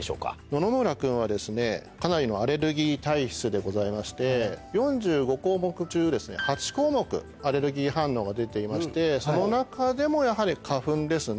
野々村君はかなりのアレルギー体質でございまして４５項目中８項目アレルギー反応が出ていましてその中でもやはり花粉ですね。